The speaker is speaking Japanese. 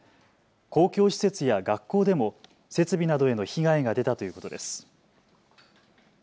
公共施設や学校でも設備などへの被害が出たということです。